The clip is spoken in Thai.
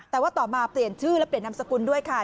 แต่ว่าต่อมาเปลี่ยนชื่อและเปลี่ยนนามสกุลด้วยค่ะ